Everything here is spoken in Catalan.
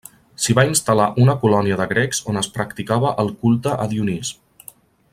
S'hi va instal·lar una colònia de grecs on es practicava el culte a Dionís.